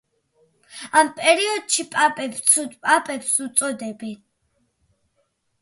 ამ პერიოდის პაპებს „ცუდ პაპებს“ უწოდებენ.